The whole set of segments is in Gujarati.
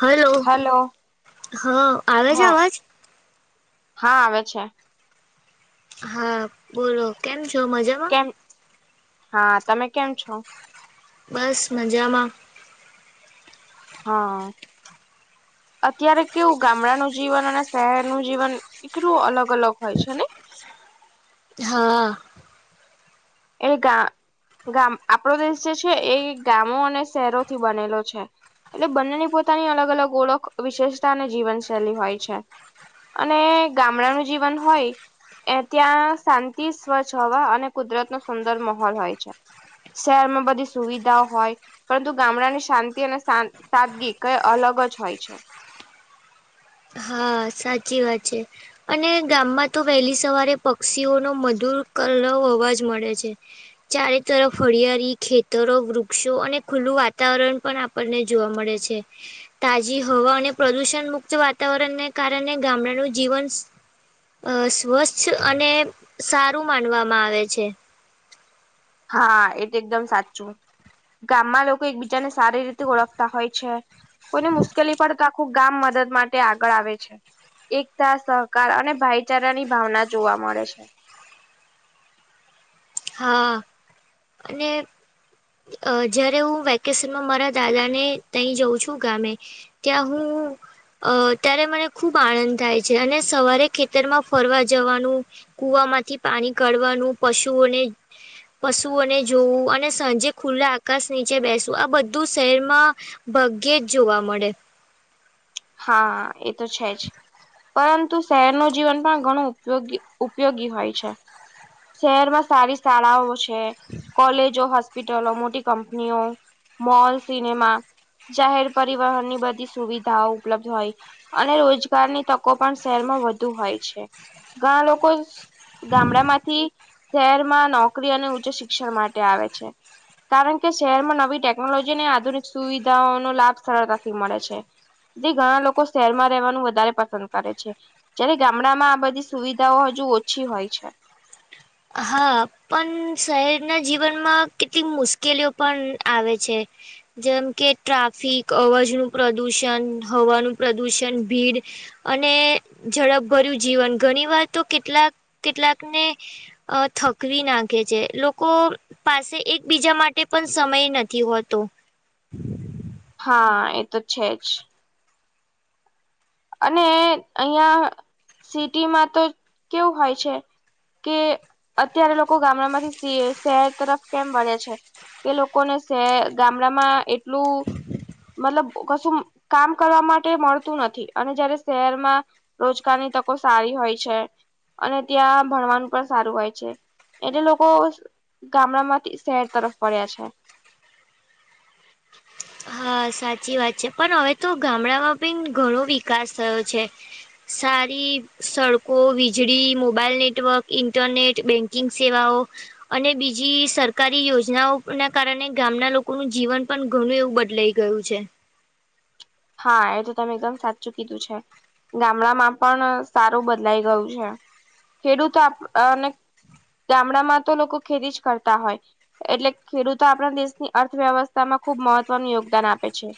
હલો હેલો હા આવે છે હા અવાજ હા આવે છે હા બોલો કેમ છો મજામાં કેમ હા તમે કેમ છો બસ મજામાં હા અત્યારે કેવું ગામડાનું જીવન અને શહેરનું જીવન એટલુ અલગ અલગ હોય છે ને હા એ ગ ગામ આપણો દેશ જે છે એ ગામો અને શહેરોથી બનેલો છે. એટલે બંનેની પોતાની અલગ અલગ ઓળખ વિશેષતા અને જીવનશૈલી હોય છે. અને ગામડાનું જીવન હોય. એ ત્યાં શાંતિ સ્વચ્છ હવા અને કુદરત નો સુંદર માહોલ હોય છે. શહેરમાં બધી સુવિધાઓ હોય. પરંતુ ગામડાની શાંતિ અને સાદગી કઈ અલગ જ હોય છે. હ સાચી વાત છે. અને ગામમાં તો વહેલી સવારે પક્ષીઓનો મધુર કર અવાજ મળે છે. ચારે તરફ હળિયાળી ખેતરો વૃક્ષો અને ખુલ્લું વાતાવરણ પણ ને જોવા મળે છે તાજી હવા અને પ્રદુષણ મુક્ત વાતાવરણને કારણે ગામડાનું જીવન અ સ્વચ્છ અને સારું માનવામાં આવે છે. હા એ તો એકદમ સાચું ગામમાં લોકો એકબીજાને સારી રીતે ઓળખતા હોય છે. કોઈને મુશ્કેલી પડે તો આખું ગામ મદદ માટે આગળ આવે છે. એકતા સહકાર અને ભાઈચારા ની ભાવના જોવા મળે છે. હા અને અ જયારે હું વેકેશનમાં મારા દાદા ને તં જાઉં છુ, ગામે ત્યાં હુ અ ત્યારે મને ખુબ આનંદ થાય છે, અને સવારે ખેતરમાં ફરવા જવાનું કુવામાંથી પાણી કાઢવાનું પશુઓને પશુઓને જોવું અને સાંજે ખુલ્લા આકાશ નીચે બેસવું આ બધું શહેરમાં ભગ્યે જ જોવા મળે હા એ તો છે જ પરંતુ શહેરનું જીવન પણ ઘણું ઉપયોગી ઉપયોગી હોય છે. શહેરમાં સારી શાળાઓ છે, કોલેજો હોસ્પિટલો મોટી કંપનીઓ મોલ સિનેમા જાહેર પરિવહન ની બધી સુવિધાઓ ઉપલબ્ધ હોય અને રોજગારની તકો પણ શહેરમાં વધુ હોય છે. ઘણા લોકો ગામડા માંથી શહેરમાં નોકરી અને ઉચ્ચ શિક્ષણ માટે આવે છે. કારણ કે શહેરમાં નવી ટેકનોલોજી અને આધુનિક સુવિધાઓનો લાભ સરળતાથી મળે છે. જે ઘણા લોકો શહેરમાં રહેવાનું વધારે પસંદ કરે છે. જયારે ગામડામાં આ બધી સુવિધાઓ હજુ ઓછી હોય છે. હા પણ શહેરના જીવનમાં કેટલીક મુશ્કેલીઓ પણ આવે છે. જેમ કે ટ્રાફિક અવાજ ન પ્રદુષણ હવાનું પ્રદુષણ ભીડ અને ઝડપભર્યું જીવન ઘણી વાર તો કેટલાક કેટલાકને અ થકવી નાખે છે, લોકો પાસે એકબીજા માટે પણ સમય નથી હોતો. હા એ તો છે જ અને અહિયાં સિટીમાં તો કેવું હોય છે. કે અત્યારે લોકો ગામડા માંથી શહેર તરફ કેમ બને છે. કે લોકો ને છે ગામડામાં એટલું મતલબ કશું કામ કરવા માટે મળતું નથી. અને જયારે શહેરમાં રોજગારની તકો સારી હોય છે અને ત્યાં ભણવાનું પણ સારું હોય છે એટલે લોકો ગામડા માંથી શહેર તરફ વળ્યા છે. હા સાચી વાત છે પણ હવે તો ગામડામાં પણ ઘણો વિકાસ થયો છે. સારી સડકો વીજળી મોબાઈલ નેટવર્ક ઇન્ટરનેટ બેંકિંગ સેવાઓ અને બીજી સરકારી યોજનાઓ ના કારણે ગામના લોકોનું જીવન પણ ઘણું એવું બદ લઈ ગયું છે હા એ તો તમે એકદમ સાચું કીધું છે ગામડામાં પણ સારું બદલાઈ ગયું છે ખેડૂત અને ગામડામાં તો લોકો ખેતી જ કરતા હોય. એટલે ખેડૂતો આપણા દેશની અર્થવ્યવસ્થામાં ખુબ મહત્વનું યોગદાન આપે છે.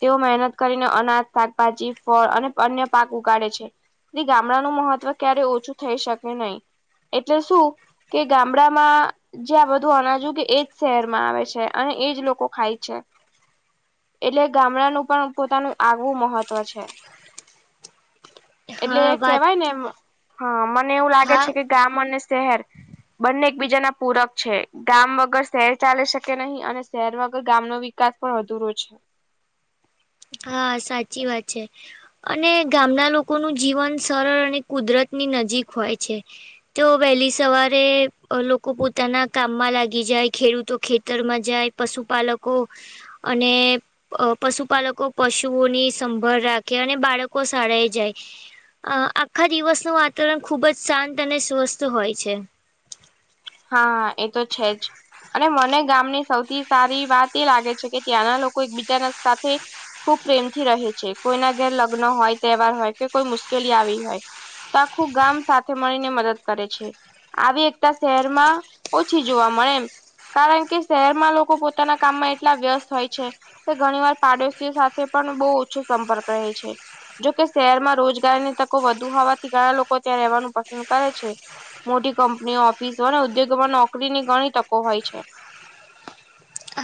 તેઓ મહેનત કરીને અનાજ શાકભાજી ફળ અને અન્ય પાક ઉગાડે છે. ગામડાનું મહત્વ ક્યારે ઓછું થઈ શકે નહી એટલે શું કે ગામડામાં જ્યાં બધું અનાજુ કે એજ શહેરમાં આવે છે, અને એજ લોકો ખાય છે. એટલે ગામડાનું પણ પોતાનું આગવું મહત્વ છે, એટલે હા વાત કેવાય ને એમ હ મને એવું લાગે છે, હા કે ગામ અને શહેર બંને એકબીજા ના પૂરક છે, ગામ વગર શહેર ચાલે શકે નહીં અને શહેર વગર ગામ નો વિ કાસ પણ અધુરો છે. હા સાચી વાત છે. અને ગામના લોકોનું જીવન સરળ અને કુદરતની નજીક હોય છે. તો વહેલી સવારે લોકો પોતાના કામમાં લાગી જાય, ખેડૂતો ખેતરમાં જાય પશુપાલકો અને પશુપાલકો પશુઓની સંભળ રાખે અને બાળકો શાળાએ જાય અ આખા દિવસનું વાતાવરણ ખુબ જ શાંત અને સ્વસ્થ હોય છે. હા, એ તો છે જ અને મને ગામની સૌથી સારી વાત એ લાગે છે કે ત્યાંના લોકો એકબીચારા સાથે ખૂબ પ્રેમથી રહે છે. કોઈના ઘેર લગ્ન હોય તહેવાર હોય કે કોઈ મુશ્કેલી આવી હોય આખું ગામ સાથે મળીને મદદ કરે છે. આવી એકતા શહેરમાં ઓછી જોવા મળે એમ કારણ કે શહેરમાં લોકો પોતાના કામમાં એટલા વ્યસ્ત હોય છે તે ઘણી વાર પાડોશીઓ સાથે પણ બહુ ઓછો સંપર્ક રહે છે. જોકે શહેરમાં રોજગારની તકો વધુ હોવાથી ઘણા લોકો ત્યાં રહેવાનું પસંદ કરે છે. મોટી કંપનીઓ, ઓફિસો અને ઉદ્યોગોમાં નોકરીની ઘણી તકો હોય છે.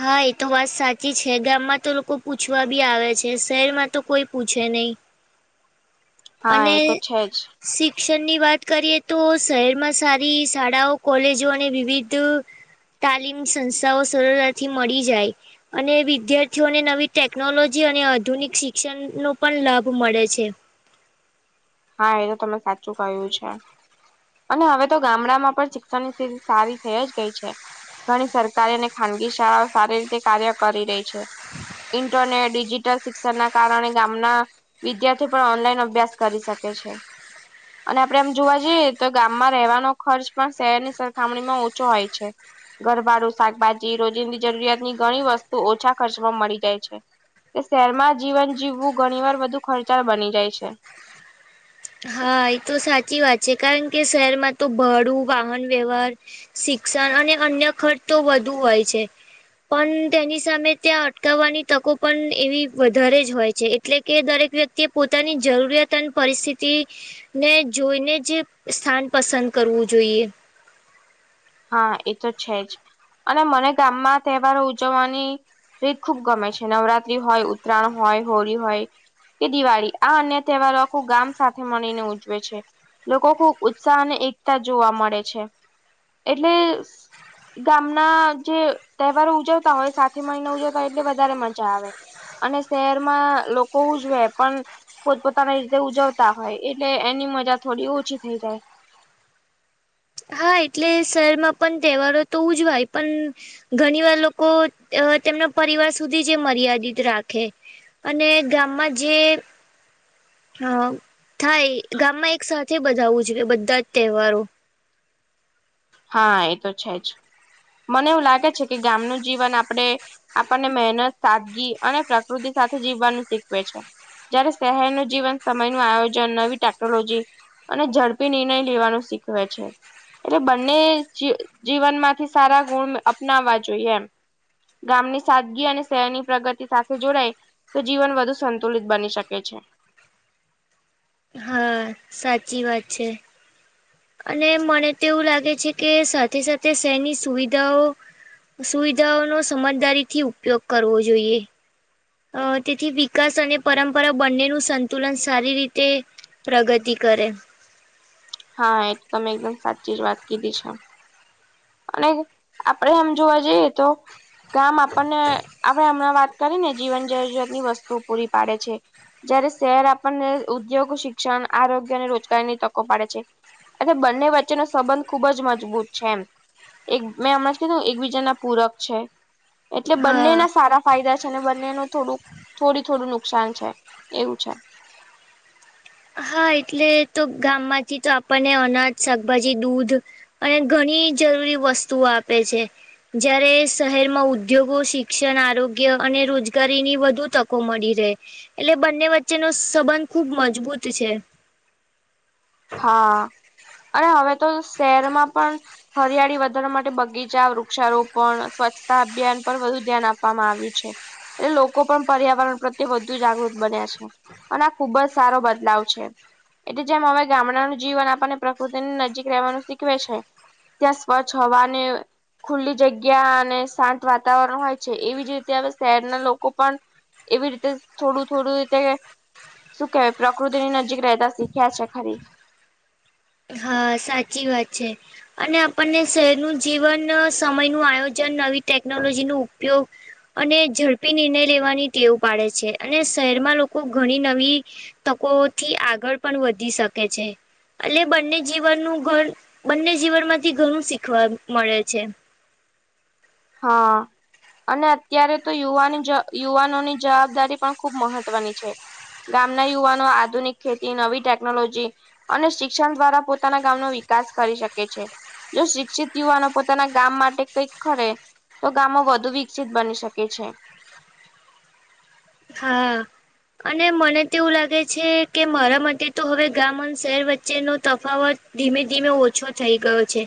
હા ઇ તો વાત સાચી છે ગામમાં તો લોકો પૂછવા બી આવે છે શહેરમાં તો કોઈ પૂછે નઈ. અને હા એ તો છે જ શિક્ષણની વાત કરીએ તો શહેરમાં સારી શાળાઓ કોલેજો અને વિવિધ તાલીમ સંસાઓ સરળતાથી મળી જાય અને વિદ્યાર્થીઓને નવી ટેકનોલોજી અને આધુનિક શિક્ષણ નો પણ લાભ મળે છે. હા એ તો તમે સાચું કયું છે. અને હવે તો ગામડામાં પણ શિક્ષણની સ્થિતિ સારી થઈ જ ગઈ છે. ઘણી સરકારી અને ખાનગી શાળાઓ સારી રીતે કાર્ય કરી રહી છે. ઇન્ટરને ડિજિટલ શિક્ષણના કારણે ગામના વિદ્યાર્થી પણ ઓનલાઈન અભ્યાસ કરી શકે છે. અને આપડે એમ જોવા જઈએ તો ગામમાં રહેવાનો ખર્ચ પણ શહેરની સરખામણીમાં ઓછો હોય છે. ઘરભાડું, શાકભાજી રોજિંદી જરૂરિયાતની ઘણી વસ્તુ ઓછા ખર્ચમાં મળી જાય છે. તે શહેરમાં જીવન જીવવું ઘણી વાર બધુ ખર્ચાળ બની જાય છે. હા એ તો સાચી વાત છે કારણ કે શહેરમાં તો ભડું, વાહન વ્યવહાર શિક્ષણ અને અન્ય ખર્ચ તો વધુ હોય છે. પન તેની સામે ત્યાં અટકાવવાની તકો પણ એવી વધારે જ હોય છે. અ એટલે કે દરેક વ્યક્તિએ પોતાની જરૂરિયાત અને પરિસ્થિ તિ ને જોઈને જ સ્થાન પસંદ કરવું જોઈએ. હા એ તો છે જ. અને મને ગામમાં તહેવારો ઉજવવાની રીત ખુબ ગમે છે નવરાત્રી હોય ઉતરાણ હોય હોળી હોય. કે દિવાળી આ અન્ય તહેવારો આખું ગામ સાથે મળીને ઉજવે છે. લોકો ખુબ ઉત્સાહ અને એકતા જોવા મળે છે. એટલે સ ગામના જે તહેવારો ઉજવતા હોય સાથે મળીને ઉજવતા હોય એટલે વધારે મજા આવે. અને શહેરમાં લોકો ઉજવે પણ પોતપોતાની રીતે ઉજવતા હોય એટલે એની મજા થોડી ઓછી થઈ જાય. હા એટલે શહેરમાં પણ તહેવારો તો ઉજવાય પણ ઘણી વાર લોકો તેમના પરિવાર સુધી જે મર્યાદિત રાખે અને ગામમાં જીયે હા થાય ગામમાં એક સાથે બધા આવવું જોઈએ બધા જ તહેવારો હા એ તો છે જ મને એવું લાગે છે કે ગામનું જીવન આપડે આપણને મહેનત સાદગી અને પ્રકૃતિ સાથે જીવવાનું શીખવે છે જયારે શહેરનું જીવન સમય નું આયોજન નવી ટેકનોલોજી અને ઝડપી નિર્ણય લેવાનું શીખવે છે એટલે જીવનમાંથી સારા ગુણ અપનાવવા જોઈએ એમ ગામની સાદગી અને શહેરની પ્રગતિ સાથે જોડાય તો જીવન વધુ સંતુલિત બની શકે છે હા સાચી વાત છે અને મને તો એવું લાગે છે કે સાથે સાથે શહેરની સુવિધાઓ સુવિધાઓનો સમજદારી થી ઉપયોગ કરવો જોઈએ અ તેથી વિકાસ અને પરંપરા બંનેનું સંતુલન સારી રીતે પ્રગતિ કરે હા એ તો તમે એકદમ સાચી જ વાત કીધી છે અને આપણેે આમ જોવા જઈએ તો ગામ આપણને આપણે હમણાં વાત કરીને જીવન જરૂરિયાત ની વસ્તુ પૂરી પાડે છે જયારે શહેર આપણને ઉદ્યોગ શિક્ષણ આરોગ્ય અને રોજગારીની તકો પાડે છે એ બંને વચ્ચેનો સંબંધ ખુબ જ મજબૂત છે એમ એક મેં હમણાં જ કીધું એકબીજા ના પૂરક છે એટલે બંને હા ના સારા ફાયદા છે ને બંને ન થોડું થોડું થોડું નુકસાન છે એવું છે હા એટલે તો ગામમાંથી તો આપણને અનાજ શાકભાજી દૂધ અને ઘણી જરૂરી વસ્તુઓ આપે છે જયારે શહેરમાં ઉદ્યોગો શિક્ષણ આરોગ્ય અને રોજગારીની વધુ તકો મળી રહે એટલે બંને વચ્ચેનો સંબંધ ખુબ મજબૂત છે હા અને હવે તો શહેરમાં પણ હરિયાળી વધારા માટે બગીચા વૃક્ષારોપણ સ્વચ્છતા અભિયાન પર વધુ ધ્યાન આપવામાં આવ્યું છે એટલે લોકો પણ પર્યાવરણ પ્રત્યે વધુ જાગૃત બન્યા છે અને ખુબ જ સારો બદલાવ છે એટલે જેમ અમે ગામડાનું જીવન આપણને પ્રકૃતિની નજીક રહેવાનું શીખવે છે ત્યાં સ્વચ્છ હવાને ખુલ્લી જગ્યા અને શાંત વાતાવરણ હોય છે એવી જ રીતે હવે શહેરના લોકો પણ એવી રીતે થોડું થોડું રીતે શું કેહેવાય પ્રકૃતિની નજીક રહેતા શીખ્યા છે ખરી હા સાચી વાત છે અને આપણને શહેરનું જીવન સમય નું આયોજન નવી ટેકનોલોજી ન ઉપયોગ અને ઝડપી નિર્ણય લેવાની ટેવ પાડે છે અને શહેરમાં લોકો ઘણી નવી તકો થી આગળ પણ વધી શકે છે એટલે બંને જીવનનું ઘ બંને જીવન માંથી ઘણું શીખવા મળે છે હા અને અત્યારે તો યુવાની યુવાનોની જવાબદારી પણ ખૂબ મહત્વની છે ગામના યુવાનો આધુનિક ખેતી નવી ટેકનોલોજી અને શિક્ષણ દ્વારા પોતાના ગામનો વિકાસ કરી શકે છે જો શિક્ષિત યુવાનો પોતાના ગામ માટે કઈક ખરે તો ગામો વધુ વિકસિત બની શકે છે હા. અને મને તોવું લાગે છે કે મારા માટે તો હવે ગામ અને શહેર વચ્ચેનો તફાવત- - ધીમે ધીમે ઓછો થઈ ગયો છે.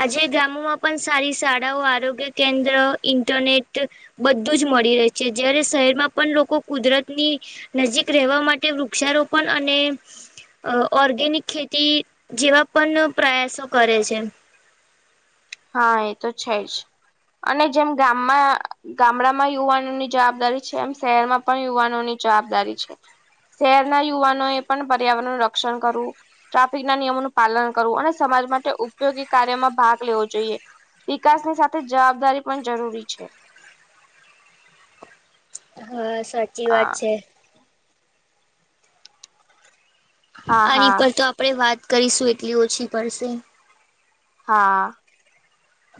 આજે ગામોમાં પણ સારી શાળાઓ આરોગ્ય કેન્દ્ર ઇન્ટરનેટ- - બધું જ મળી રહે છે જયારે શહેરમાં- - પણ લોકો કુદરત ની નજીક રહેવા માટે વૃક્ષારોપણ અને- - અ ઓર્ગેનિક ખેતી જેવા પણ પ્રયાસો કરે છે હા, એ તો છે જ અને જેમ ગામમાં- - ગામડામાં યુવાનો ની જવાબદારી છે એમ શહેર માં પણ યુવાનોની જવાબદારી છે શહેરના યુવાનો એ પણ પર્યાવરણ ન રક્ષણ કરવું ટ્રાફિક ના નિયમોનું પાલન કરવું અને સમાજ માટે ઉપયોગી કાર્યમાં ભાગ લેવો જો જોઈએ, વિકાસ ની સાથે જવાબદારી પણ જરૂરી છે હા, સાચી વાત હા છે હા આની હા પર તો આપણેે વાત કરીશું એટલી ઓછી પડશે હા,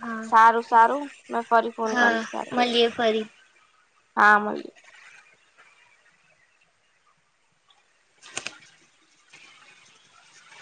હા સારું સારું મે ફરી ફોન કરીશ ત્યારે હલીએ ફરી હા, મળીએ